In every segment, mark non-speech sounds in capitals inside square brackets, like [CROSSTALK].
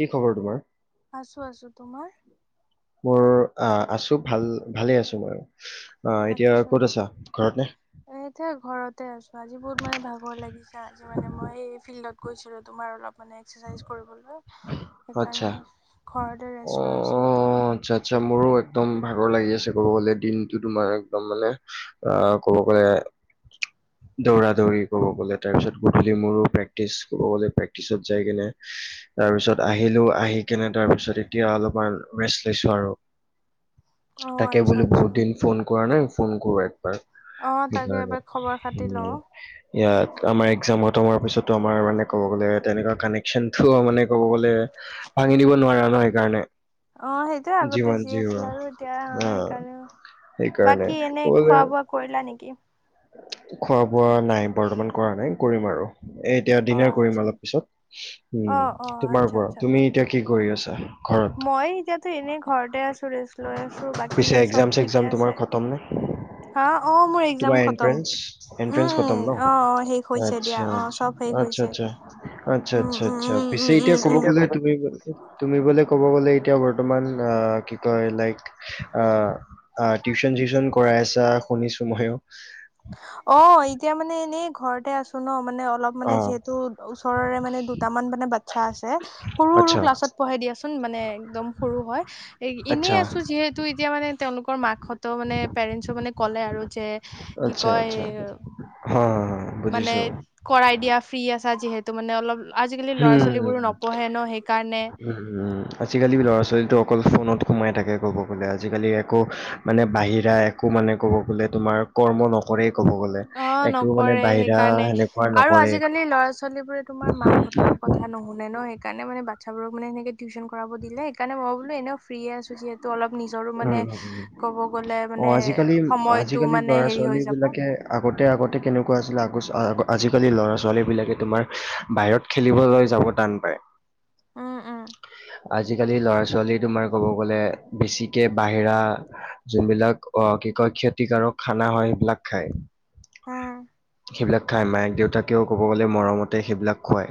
কি খবৰ তোমাৰ? আছো আছো, তোমাৰ? মোৰ আ আছো ভাল ভালে আছো মইও, অঁ এতিয়া ক'ত আছা ঘৰত নে? এ এতিয়া ঘৰতে আছো, আজি বহুত মানে ভাগৰ লাগিছে আজি মানে মই এই ফিল্ডত গৈছিলো, তোমাৰ অলপ মানে এক্সাৰচাইজ কৰিবলৈ, আচ্ছা। সেইকাৰণে ঘৰতে অ ৰেষ্ট লৈ আছো এতিয়া। আচ্ছা আচ্ছা মোৰো একদম ভাগৰ লাগি আছে কব গলে দিনটো তোমাৰ একদম মানে আ ক'ব গ'লে দৌৰা দৌৰি ক'ব গলে তাৰ পিছত গধূলি মোৰো প্ৰেক্টিছ, কব গলে প্ৰেক্টিছত- যাই কেনে- তাৰপিছত আহিলো আহি কেনে তাৰপিছত এতিয়া অলপমান ৰেষ্ট লৈছো আৰু। অ তাকে আচ্ছা বোলো বহুত আচ্ছা দেৰি ফোন কৰা নাই ফোন কৰো অ এয়াক। তাকে [UNINTELLIGIBLE] এবাৰ খবৰ খাতি লওঁ ইয়াত আমাৰ এক্সাম খতম হোৱাৰ পিছতো আমাৰ মানে ক'ব গ'লে তেনেকা- কানেকচন ঠোৱ মানে ক'ব গলে ভাঙি দিব নোৱাৰা ন সেইকাৰণে। অঁ সেইটোৱে আগতে যিমান যি হোৱা আছিলে আৰু এতিয়া অঁ অ সেইকাৰণেও। সেইকাৰণে বাকী এনেই ক'বলে খোৱা বোৱা কৰিলা নেকি? খোৱা বোৱা নাই বৰ্তমান কৰা নাই কৰিম আৰু। এ এতিয়া অ ডিনাৰ কৰিম আচ্ছা অলপ পিছত, অ উম' অ তোমাৰ আচ্ছা কোৱা আচ্ছা তুমি এতিয়া কি কৰি আছা? ঘৰত মই এতিয়াতো এনেই ঘৰতে আছো ৰেষ্ট লৈ আছো পিছে বাকী এক্জাম চব চেক্জাম ঠিকে আ- তোমাৰ খতম নে? হাঁ অঁ মোৰ তোমাৰ একজাম খত- তম। এন্ট্ৰেন্স এন্ট্ৰেন্স খতম উম ন অঁ অঁ শেষ হৈছে দিয়া অঁ চব শেষ হৈছে। আৎচ্ছা উম আৎচ্ছা উম আৎচ্ছা, উম পিছে উম উম এতিয়া ক'ব গ'লে উম। তুমি- তুমি বোলি ক'ব গলে এতিয়া বৰ্তমান অঁ কি কয় লাইক- আ‌ঁ আঁ টিউচন চিউচন কৰাই আছা শুনিছো ময়ো। অঁ এতিয়া মানে এনেই ঘৰতে আছো ন মানে অলপ- অ, মানে যিহেতু ওচৰৰে মানে দুটামান মানে বাৎচ্ছা আছে- সৰু সৰু আচ্ছা, ক্লাছত পঢ়ে দিয়াচোন মানে একদম সৰু হয় এ এনেই আচ্ছা, আছো যিহেত- তো এতিয়া মানে তেওঁলোকৰ মাকহঁতও মানে পেৰেণছো মানে ক'লে আৰু যে- কি আচ্ছা, কয়? আচ্ছা। হা, হা, হা, বুজিছোঁ। মানে- কৰাই দিয়া ফ্ৰী আছা যিহেতু মানে অলপ আজিকালি ল'ৰা হুম, ছোৱালীবোৰো নপঢ়ে ন সেইকাৰণে। উম' আজিকালি ল'ৰা ছোৱালীটো অকল ফোনত সোমাই থাকে ক'ব গলে আজিকালি একো- মানে বাহিৰা একো মানে ক'ব গ'লে তোমাৰ কৰ্ম নকৰেই ক'ব গ'লে। অঁ একো মানে নকৰে বাহিৰা সেইকাৰণে, সেনেকুৱা আৰু নকৰে। আজিকালি ল'ৰা ছোৱালী বোৰে তোমাৰ মাক হঁত- তৰ কথা নোশোনে ন সেইকাৰণে মানে বাৎচ্ছাবোৰক মানে হেনেকে টিউচন কৰাব দিলে সেইকাৰণে মই বোলা এনেও ফ্ৰিৰিয়ে আ আছো- ছো যিহেতু, অলপ নিজৰো উম, মানে উম, উম। ক'ব গ'লে অ মানে আজিকালি সময়টো আজিকালি মানে ল'ৰা হেৰি ছোৱালী হৈ যাব। বিলাকে আগতে আগতে কেনেকুৱা আছিলে আগ আজিকালি ল'ৰা ছোৱালীবিলাকে তোমাৰ বাহিৰত- খেলিবলৈ যাব তান পায়। উম উম। আজি কালি ল'ৰা ছোৱালী তোমাৰ ক'ব গ'লে, বেছিকে বাহিৰা- যোনবিলাক অঁ কি কয় ক্ষতিকাৰক খানা হয় সেইবিলাক খায়। অঁ' সেইবিলাক খায় মায়েক দেউতাকেও ক'ব গ'লে মৰমতে সেইবিলাক খোৱায়।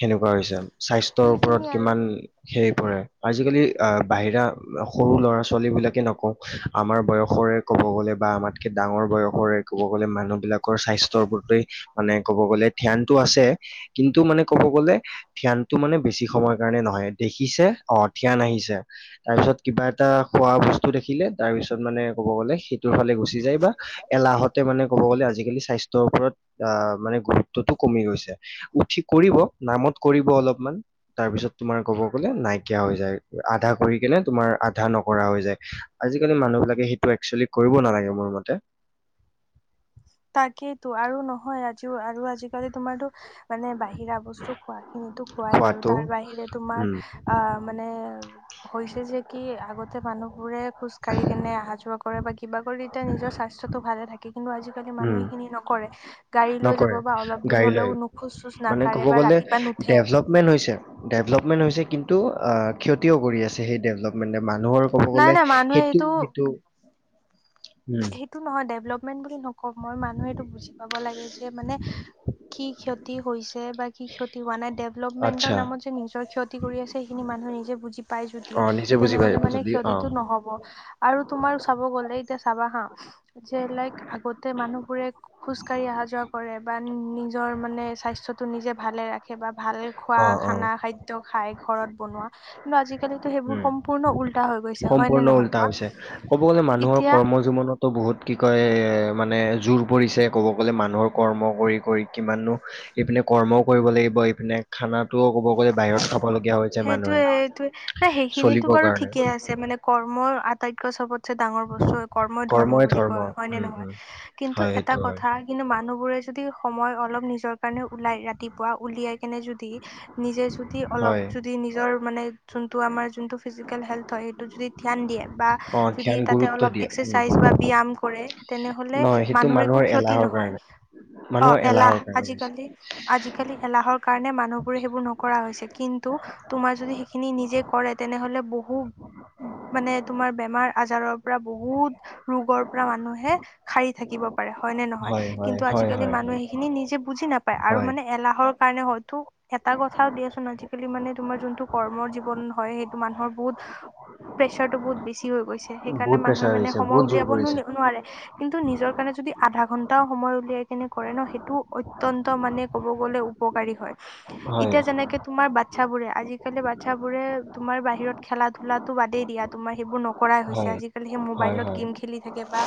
সেনেকুৱা হৈছে। স্বাস্থ্যৰ ওপৰত সেইখিনিয়ে আৰু কিমান- হেৰি পৰে। আজি কালি আঁ বাহিৰা সৰু ল'ৰা ছোৱালী বিলাকে নকওঁ আমাৰ বয়সৰে- ক'ব গ'লে বা আমাতকে ডাঙৰ বয়স- কৰে, ক'ব গলে মানুহ বিলাকৰ স্বাস্থ্যৰ প্ৰতি মানে ক'ব গ'লে ধ্যানটো আছে- কিন্তু মানে ক'ব গ'লে- ধ্যানটো মানে বেছি সময়ৰ কাৰণে নহয়, দেখিছে অঁ ধ্যান আহিছে। তাৰ পিছত কিবা এটা খোৱা বস্তু দেখিলে তাৰ পিছত মানে কব গলে সেইটোৰ ফালে গুচি যায় বা- এলাহতে মানে ক'ব গ'লে আজিকালি স্বাস্থ্যৰ ওপৰত আ মানে গুৰুত্বটো কমি গৈছে। উঠি কৰিব নামত কৰিব অলপমান। তাৰপিছত তোমাৰ ক'ব গ'লে নাইকিয়া হৈ যায়, আধা কৰি কেনে তোমাৰ আধা নকৰা হৈ যায়। আজিকালি মানুহবিলাকে সেইটো একচুৱেলি কৰিব নালাগে মোৰ মতে। তাকেটো আৰু নহয় আজিও আৰু আজিকালি তোমাৰ তো মানে বাহিৰা বস্তু খোৱাই। কিন্ত খোৱাই বাৰু, খোৱাটো তাৰ বাহিৰে তোমাৰ উম - আঁহ' মানে হৈছে যে কি আগতে মানুহবোৰে খোজ কাঢ়ি কেনে অহা-যোৱা - কৰে, কিবা কৰি তাই নিজৰ স্বাস্থ্যতটো ভালে থাকে। কিন্তু আজি - কালি উম মানুহে এইখিনি নকৰে। গাড়ী লৈ যাব নকৰে বা অলপ দুৰ গাড়ী লয় হ'লেও খোজ-চোজ নাকাৰে বা ৰাতিপুৱা নু - থে। মেন হৈছে, ডেভেলপমেণ্ট হৈছে কিন্তু আ' ক্ষতিও কৰি আছে সেই ডেভেলপমেণ্টে। মানুহৰ - ক'ব নাই গ'লে নাই মানুহে এইটো সেইটো-সেইটো উ এইটো নহয়, ডেভলপমেন্ট বুলি নকওঁ মই মানুহে এইটো বুজি পাব লাগে যে মানে কি ক্ষতি হৈছে বা কি হোৱা নাই ডেভলপমেন্টৰ আচ্ছা নামত যে নিজৰ ক্ষতি কৰি আছে সেইখিনি- মানুহে নিজে বুজি পাই যদি অ নিজে বুজি পাই তেনেহ'লে মানে যদি অ ক্ষতিটো নহ'ব। আৰু তোমাৰ চাব গ'লে - চাবা হাঁ, যে লাইক আগতে মানুহবোৰে - খোজ কাঢ়ি অহা-যোৱা কৰে বা নিজৰ মানে স্বাস্থ্য টো নিজে ভালে ৰা- খে বা ভাল খোৱা অ অ খানা খাদ্য খাই ঘৰত বনোৱা। কিন্তু আজি উম, হয় নে সম্পূৰ্ণ নহয় উল্টা কোৱা হৈছে। ক'ব গ'লে মানুহৰ এতিয়া কৰ্ম জীৱনত - তো বহুত কি কয় এ' মানে জোৰ পৰিছে ক'ব গ'লে মানুহৰ কৰ্ম কৰি-কৰি। কিমাননো ইপিনে কৰ্মও কৰিব লাগিব, ইপিনে - খানাতোও ক'ব গ'লে বাহিৰত খাবলগীয়া হৈছে মানুহে। সেইটোৱেই। সেইখিনি চলিবৰ বাৰু কাৰণে ঠিকে আছে মানে কৰ্মৰ আটাইতকৈ চবত - চে ডাঙৰ বস্তু কৰ্মই ধৰ্ম বুলি কয়, হয় নে নহয়। কিন্তু হয় এটা সেইটো হয় কথা - কিন্তু মানুহবোৰে যদি সময় অলপ নিজৰ কাৰণে ওলাই ৰাতিপুৱা উলিয়াই কিনে যদি- নিজে যদি অলপ হয় যদি নিজৰ মানে - যোনটো আমাৰ যোনটো ফিজিকেল হেল্থ হয় সেইটো যদি ধ্যান দিয়ে- বা অ যদি ধ্যান তা'তে গুৰুত্ব অলপ দিয়ে উম একচাচাইজ বা ব্যায়ম কৰে তেনেহ'লে নহয় সেইটো মানুহৰ একো ক্ষত্ৰী এলাহৰ ন- হয়। কাৰণে অঁ' মানুহৰ এলাহৰ এলাহ' কাৰণে হৈছে আজিকালি, আজিকালি এলাহ'ৰ কাৰণে মানুহবোৰে সেইবোৰ - [UNINTELLIGIBLE] নকৰা হৈছে, কিন্তু তোমাৰ যদি সেইখিনি নিজে কৰে তেনেহ'লে বহু - [UNINTELLIGIBLE] মানে তোমাৰ বেমাৰ আজাৰৰ পৰা বহুত - ৰোগৰ পৰা মানুহে সাৰি থাকিব- পাৰে, হয় নে নহয়। হয় কিন্তু হয় আজিকালি হয় মানুহে সেইখিনি নিজে বুজি নাপায় আৰু হয় মানে এলাহ'ৰ কাৰণে হয়তো এটা কথাও দিয়াচোন আজিকালি মানে তোমাৰ যোনটো কৰ্ম জীৱন হয় সেইটো মানুহৰ বহুত - প্ৰেচাৰটো বহুত বেছি হৈ গৈছে সেইকাৰণে বহুত মানুহে প্ৰেছাৰ মানে হৈছে সময় বহুত জোৰ উলিয়াব পৰিছে নো-নোৱাৰে। কিন্তু নিজৰ কাৰণে যদি আধা ঘণ্টাও সময় উলিয়াই কিনে কৰে ন' সেইটোও অত্যন্ত মানে ক'ব গ'লে উ - পকাৰী হয়। হয় এতিয়া যেনেকে তোমাৰ বাত - বাচ্ছাবোৰে, আজিকালি বাচ্ছাবোৰে তোমাৰ বাহিৰত খেলা-ধূলাটো বাদেই দিয়া তোমাৰ সেইবোৰ নক - কৰাই হৈছে। হয় আজিকালি সেই হয় মোবাইলত হয় গেম খেলি থাকে- বা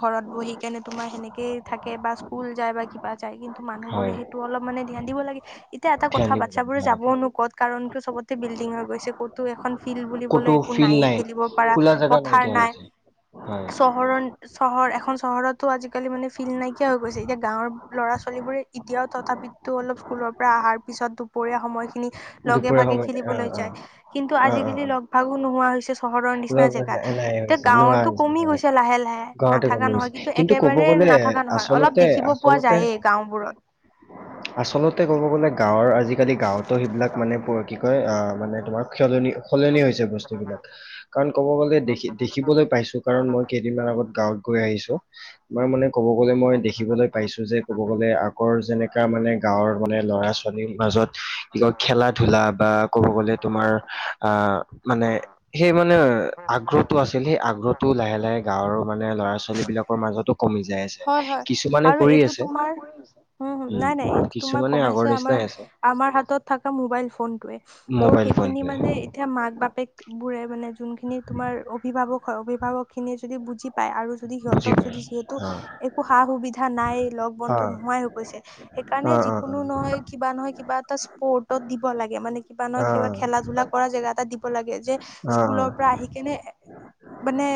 ঘৰত বহি কেনে তোমাৰ সেনেকেই থাকে বা স্কুল যায় বা কিবা যায়, কিন্তু মানুহবোৰে হয় সেই - টো অলপ মানে ধ্যান দিব লাগে। এতিয়া এটা ধ্যান কথা দিব লাগে বাচ্ছাবোৰে হয় যাব নো ক'ত কাৰণ চবতে বিল্ডিং হৈ গৈছে। ক'তো এখন ফিল্ড বুলিবলৈ ক'তো একো ফিল্ড নায়েই নাই খেলিব পাৰা খোলা জেগা পথাৰ নাইকিয়া নাই। হৈছে হয় চহৰৰ- চহৰ, এখন চহৰতো আজিকালি মানে ফিল্ড নাইকিয়া হৈ গৈছে। এতিয়া গাঁৱৰ ল'ৰা-ছোৱালীবোৰে এতিয়াও তথাপিত- তো অলপ স্কুলৰ- অহাৰ পিছত দুপৰীয়া সময়খিনি দুপৰীয়া লগে-ভাগে সময়ত অ খেলিবলৈ অ যায়। কিন্তু অ অ আজিকালি অ লগ- ভাগো নোহোৱা হৈছে। চহৰৰ নিচিনা লগ জেগাত, নাই এতিয়া হৈছে নোহোৱা গাঁৱতো হৈছে কমি হয় গৈছে লাহে লাহে, গাঁৱতে কমি নাথাকা গৈছে নহয়। কিন্তু ক'ব একেবাৰে গ'লে নাথাকা নহয় অলপ আচলতে দেখিব পোৱা আচলতে যায়েই গাঁওবোৰত। আচলতে ক'ব গ'লে গাঁৱৰ আজিকালি গাঁৱত ত' সেইবিলাক মানে কি কয় অ' মানে তোমাৰ সলনি সলনি হৈছে বস্তুবিলাক। কাৰণ ক'ব গ'লে দেখিবলৈ পাইছো, কাৰন মই কেইদিন আগত গাঁৱত গৈ আহিছো। মই মানে ক'ব গ'লে মই দেখিবলৈ পাইছো যে ক'ব গ'লে আগৰ যেনেকা মানে গাঁৱৰ মানে ল'ৰা ছো ৱালীৰ মাজত কি কয় খেলা ধূলা বা ক'ব গ'লে তোমাৰ আহ মানে সেই মানে মানে আগ্ৰহটো আছিল, সেই আগ্ৰহটো লাহে লাহে গাঁৱৰ মানে ল'ৰা ছোৱালী বিলাকৰ মাজতো কমি যায় আছে। হয়, হয়। কিছুমানে আৰু কৰি এইটো আছে তোমাৰ উম, নাই নাই এইটো তোমাৰ কিছুমানে আগৰ কমাইছে আমাৰ নিচিনাই আছে আমাৰ হাতত থকা মোবাইল ফোনটোৱে। ত' মোবাইল সেইখিনি ফোনটোৱে মানে এতিয়া মাক বাপেক বোৰে মানে যোনখিনি তোমাৰ অভিভাৱক হয়, অভিভাৱক খিনিয়ে যদি বুজি পায় আৰু যদি বুজি সিহঁতক পায়। যদি যিহেতু অ', একো সা সুবিধা নাই লগ বন্ধু অ', নোহাৱাই হৈ গৈছে। সেইকাৰণে অ', অ', যিকোনো অ', নহয় কিবা নহয় কিবা এটা স্পৰ্টচত দিব লাগে, মানে কিবা নহয় কিবা অ', খেলা ধূলা কৰা জেগা এটা দিব লাগে, যে অ', স্কুলৰ পৰা আহি কিনে মানে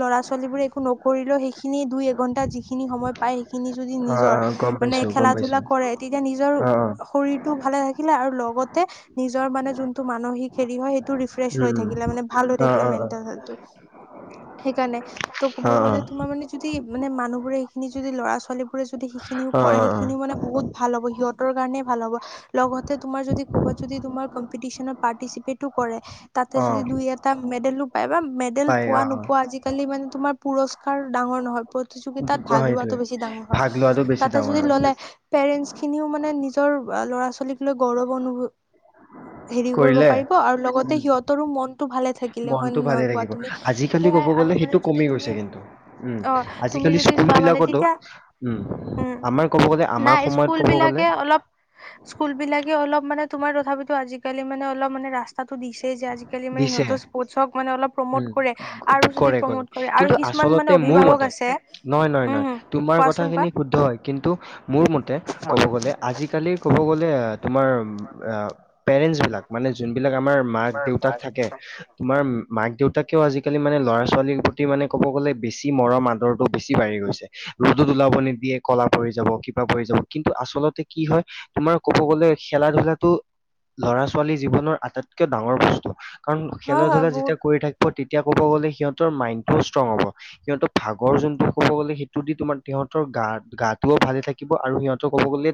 ল'ৰা ছোৱালী বোৰে একো নকৰিলেও সেইখিনি দুই এঘন্টা সেই খিনি সময় পায়, সেইখিনি যদি অ', নিজৰ অ', গম মানে পাইছো গম খেলা পাইছো ধূলা কৰে, তেতিয়া নিজৰ অ', অ', শৰীৰতটো ভালে থাকিলে, আৰু লগতে নিজৰ মানে যোনটো মানসিক হেৰি হয় সেইটো ৰিফ্ৰেছহৈ উম, উম, থাকিলে মানে ভাল হৈ অ', থাকিলে অ', অ', মেণ্টেল হেল্থটো। সেইকাৰণে ত' ক'ব অ', অ', গ'লে তোমাৰ মানে যদি মানে মানুহ বোৰে এইখিনি যদি ল'ৰা ছোৱালী বোৰে যদি সিখিনিও কৰে, অ', অ', সেইখিনও মানে বহুত ভাল হ'ব সিহঁতৰ কাৰণে ভাল হ'ব। লগতে তোমাৰ যদি কবাত যদি তোমাৰ কম্পিটিশ্যনত পাৰ্টিছিপেত কৰে তাতে যদি অ', দুই এটা মেডেলো পায় বা মেডেল পাই পোৱা অ', অ', নোপোৱা আজিকালি মানে তোমাৰ পুৰস্কাৰ পোৱাটো ডাঙৰ নহয় প্ৰতিযোগিতাত ভাগ লোৱাটো সেইটোৱে বেছি ডাঙৰ হয়। ভাগ লোৱাটো বেছি তাতে ডাঙৰ যদি হয় ল'লে পেৰেন্টছ খিনিও মানে নিজৰ ল'ৰা ছোৱালীক লৈ গৌৰৱ অনুভৱ হেৰি কৰিব কৰিলে পাৰিব, আৰু লগতে উম, সিহঁতৰো মনতটো ভালে থাকিলে হয়ে মনটো ভালে নহয় কোৱা থাকিব তুমি? আজিকালি ক'ব সেয়াই, গ'লে আৰু সেইটো মানে কমি গৈছে তুমি কিন্তু উম, অ' তুমি আজিকালি যদি স্কুল কোৱা মানে বিলাকতো তেতিয়া, উম, আমাৰ ক'ব গ'লে উ আমাৰ নাই সময়ত স্কুল ক'ব গ'লে বিলাকে অলপ স্কুল বিলাকে অলপ মানে তোমাৰ তথাপিতো আজিকালি মানে অলপ মানে ৰাস্ত তো দিছে যে আজিকালি মানে দিছে সিহঁতৰ স্পৰ্টচক মানে অলপ উম, প্ৰমোট কৰে। আৰু যদি কৰে প্ৰমোট কৰে আৰু কিন্তু কিছুমান আচলতে মানে মোৰ অভিভাৱক মতে আছে। নহয়, নহয়, উম নহয়। হম তোমাৰ কোৱাচোন কোৱা কথাখিনি শুদ্ধ হয়। কিন্তু মোৰ মতে ক'ব গ'লে আজিকালি ক'ব গ'লে, তোমাৰ পেৰেণ্টছবিলাক মানে যোনবিলাক আমাৰ মাক দেউতাক থাকে তোমাৰ মাক দেউতাকেও আজিকালি মানে ল'ৰা ছোৱালীৰ প্ৰতি মানে ক'ব গ'লে বেছি মৰম আদৰ বেছি বাঢ়ি গৈছে। ৰ'দত ওলাব নিদিয়ে ক'লা পৰি যাব কিবা পৰি যাব, কিন্তু আচলতে কি হয়। তোমাৰ ক'ব গ'লে খেলা ধূলাটো ল'ৰা ছোৱালী জীৱনৰ আটাইতকৈ ডাঙৰ বস্তু। কাৰণ খেলা হয় হয় ধূলা বহুত যেতিয়া কৰি থাকিব তেতিয়া ক'ব গ'লে সিহঁতৰ মাইণ্ড টোও ষ্ট্ৰং হ'ব। সিহঁতৰ ভাগৰ যোনটো ক'ব গ'লে সেইটো দি তোমাৰ সিহঁতৰ গা গাটোও ভালে থাকিব, আৰু সিহঁতৰ ক'ব গ'লে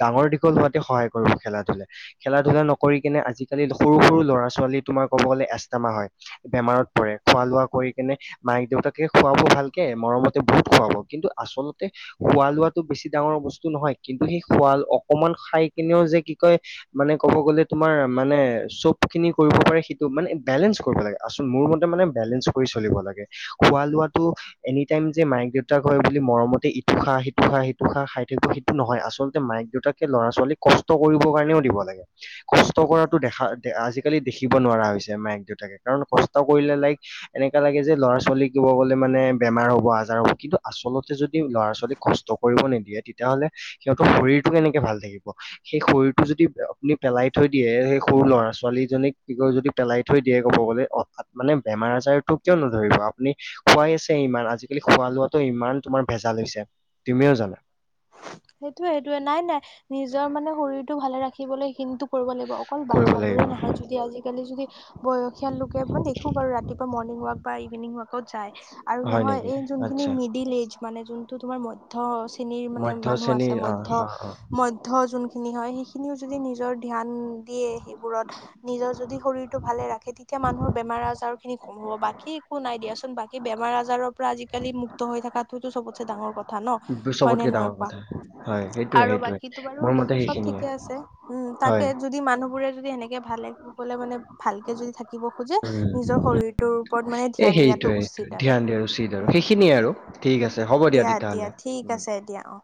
ডাঙৰ দীঘল হোৱাতে সহায় কৰিব খেলা ধূলাই, খেলা ধূলা নকৰি কেনে আজিকালি সৰু সৰু ল'ৰা ছোৱাল ছোৱালী তোমাৰ ক'ব গ'লে এষ্টামা হয় বেমাৰত পৰে। খোৱা লোৱা কৰি কেনে মাক দেউতাকে খুৱাব ভালকে মৰমতে বহুত খুৱাব। কিন্তু আচলতে খোৱা লোৱাটো বেছি ডাঙৰ বস্তু নহয়, কিন্তু সেই খোৱা ল অকমান খাই কেনেও যে কি কয় মানে ক'ব গ'লে তোমাৰ মানে চব খিনি। কৰিব পাৰে সেইটো মানে বেলেন্স কৰিব লাগে আচল মোৰ মতে মানে বেলেন্স কৰি চলিব লাগে খোৱা লোৱাটো। এনি টাইম যে মায়েক দেউতাক হয় বুলি মৰমতে ইটো খা সিটো খা সেইটো খা খাই থাকিব সেইটো নহয়। আচলতে মায়েক দেউতাক। কে ল'ৰা ছোৱালীক কষ্ট কৰিবৰ কাৰণেও দিব লাগে। কষ্ট কৰাতো দেখা দে আজি। কালি দেখিব নোৱাৰা হৈছে মায়েক দেউতাকে কাৰণ কষ্ট কৰিলে লাইক। এনেকা লাগে যে ল'ৰা ছোৱালী ক'ব গ'লে মানে বেমাৰ হ'ব আজাৰ হ'ব কিন্তু আচলতে যদি ল'ৰা ছোৱালীক। কষ্ট কৰিব নিদিয়ে তেতিয়া হ'লে সিহঁতৰ শৰীৰটো কেনেকে ভাল থাকিব। সেই শৰীটো যদি আপুনি পেলাই থৈ দিয়ে সেই সৰু ল'ৰা ছোৱালী। জনীক কি কয় যদি পেলাই থৈ দিয়ে ক'ব গলে হঠাৎ মানে বেমাৰ আজাৰটো কিয় নধৰিব আপুনি। খোৱাই আছে ইমান আজিকালি খোৱা লোৱাটো ইমান তোমাৰ ভেজাল হৈছে তুমিও জানা। সেইটোয়ে সেইটোয়ে নাই নাই নিজৰ মানে শৰীৰটো ভালে ৰাখিবলৈ কিন্তু। কৰিব লাগিব অকল কৰিব বাচ্ছাবোৰে লাগিব নহয় যদি আজিকালি যদি। বয়সীয়াল লোকে মানে দেখো বাৰু ৰাতিপুৱা মৰ্নিং ৱাৰ্ক বা ইভিনিং ৱাৰ্কত যায়। আৰু হয় নহয় নেকি এই যোনখিনি আচ্ছা মিডিলএজ মানে যোনটো তোমাৰ মধ্য শ্ৰেণীৰ। মানে মধ্য মানুহ আছে শ্ৰেণীৰ অ মধ্য। অ অ মধ্য যোনখিনি হয় সেইখিনিও যদি নিজৰ ধ্যান দিয়ে সেইবোৰত। নিজৰ যদি শৰীৰটো ভালে ৰাখে তেতিয়া মানুহৰ বেমাৰ আজাৰ খিনি কম হ'ব বাকী একো নাই দিয়াচোন বা। এই বেমাৰ আজাৰৰ পৰা আজিকালি মুক্ত হৈ থকাটো চবতছে ডাঙৰ কথা ন হয় নে চবতকে ডাঙৰ নহয়। কোৱা কথা হয় সেইটোয়ে আৰু সেইটোয়ে বাকীতো বাৰু মোৰ মতে চব সেইখিনিয়ে ঠিকে আছে উম হয় তাকে যদি মানুহ বোৰে যদি এনে। কে ভালে কৌশলে মানে ভালকে যদি থাকিব খোজে নিজৰ উম শৰীৰটোৰ ওপৰত মানে ধ্য। এ সেইটোৱে সেইটোৱে ধ্যান দিয়া উচিত আৰু সেইখিনিয়ে আৰু ঠিক আছে হ'ব দিয়া তেতিয়াহ'লে। ঠিক উম আছে দিয়া অ'হ।